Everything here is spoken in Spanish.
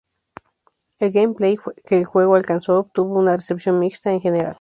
El "gameplay" que el juego alcanzó, obtuvo una recepción mixta en general.